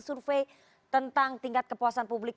survei tentang tingkat kepuasan publik